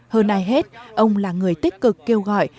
hơn ai hết ông là người tích cực kêu gọi